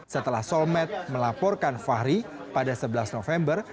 setelah solmed melaporkan fahri pada sebelas november